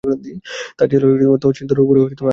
তাঁরা জেলার তহশিলদারদের উপরও আদেশ জারি করেছেন।